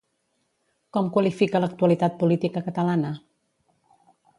Com qualifica l'actualitat política catalana?